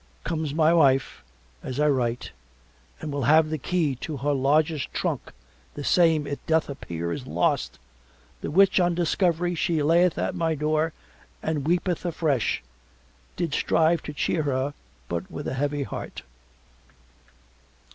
Comes my wife as I write and will have the key to her largest trunk the same it doth appear is lost, the which on discovery she layeth at my door and weepeth afresh. Did strive to cheer her but with a heavy heart.